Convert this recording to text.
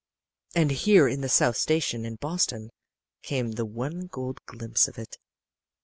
And here in the South Station in Boston came the one gold glimpse of it.